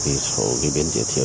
thì số biên chế thiếu